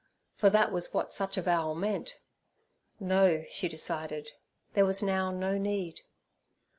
for that was what such avowal meant. No, she decided; there was now no need.